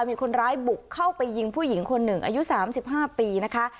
มีคนร้ายบุกเข้าไปยิงผู้หญิงคนหนึ่งอายุ๓๕ปีนะคะ